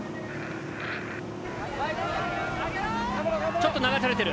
ちょっと流されてる。